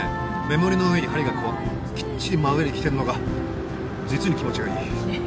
目盛りの上に針がきっちり真上にきてんのが実に気持ちがいい。